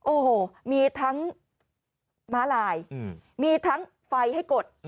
โอ้โหมีทั้งม้าลายมีทั้งไฟให้กด